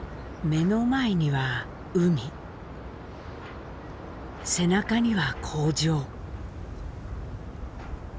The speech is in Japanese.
目の前には海背中には工場。